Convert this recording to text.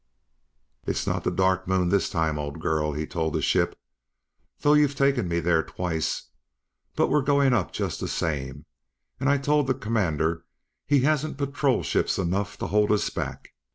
"It's not the Dark Moon this time, old girl," he told the ship, "though you've taken me there twice. But we're going up just the same, and I told the Commander he hasn't Patrol Ships enough to hold us back."